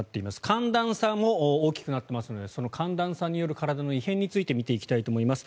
寒暖差も大きくなっていますのでその寒暖差による体の異変について見ていきたいと思います。